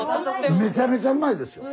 めちゃめちゃうまいですよ。